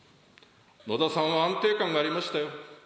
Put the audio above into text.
野田さんは安定感がありましたよ。